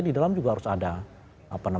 di dalam juga harus ada